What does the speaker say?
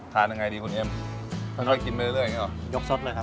ทานยังไงดีคุณเอ็มค่อยกินไปเรื่อยอย่างนี้หรอ